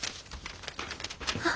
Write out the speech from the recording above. あっ。